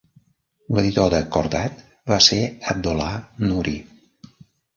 L'editor de "Khordad" va ser Abdollah Noori.